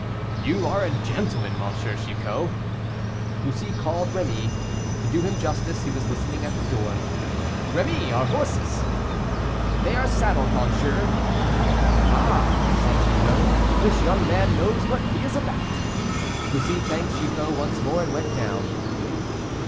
"You are a gentleman, M. Chicot." Bussy called Rémy. To do him justice, he was listening at the door. "Rémy, our horses!" "They are saddled, monsieur." "Ah!" said Chicot, "this young man knows what he is about." Bussy thanked Chicot once more, and went down.